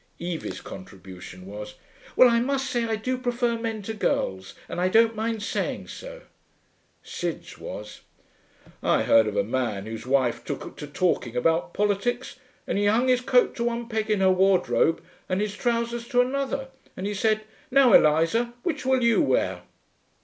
Evie's contribution was, 'Well, I must say I do prefer men to girls, and I don't mind saying so.' Sid's was, 'I heard of a man whose wife took to talking about politics, and he hung his coat to one peg in her wardrobe and his trousers to another, and he said, 'Now, Eliza, which will you wear?'